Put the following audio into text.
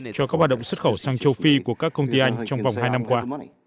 cho các hoạt động xuất khẩu sang châu phi của các công ty anh trong vòng hai năm qua